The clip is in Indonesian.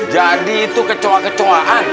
jadi itu kecowa kecowaan